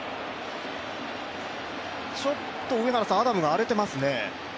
ちょっとアダムが荒れていますね。